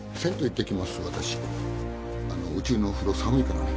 あのうちの風呂寒いからね。